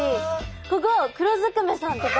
ここ黒ずくめさんとか。